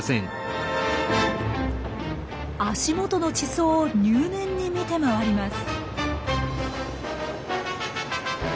足元の地層を入念に見て回ります。